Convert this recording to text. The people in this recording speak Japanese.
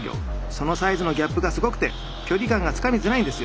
そのサイズのギャップがすごくて距離感がつかみづらいんですよ。